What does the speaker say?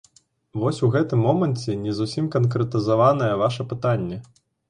Вось у гэтым моманце не зусім канкрэтызаванае ваша пытанне.